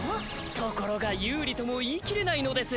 ところが有利とも言い切れないのです。